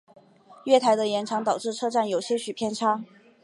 月台的延长导致车站有少许偏差。